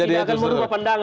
tidak akan berubah pandangan